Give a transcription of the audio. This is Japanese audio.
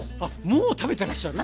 もう食べてらっしゃる？